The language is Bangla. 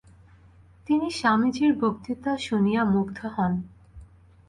তিনি স্বামীজীর বক্তৃতা শুনিয়া মুগ্ধ হন।